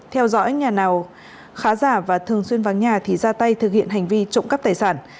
theo dõi nhà nào khá giả và thường xuyên vắng nhà thì ra tay thực hiện hành vi trộm cắp tài sản